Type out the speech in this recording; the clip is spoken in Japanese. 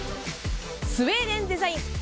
スウェーデンデザイン。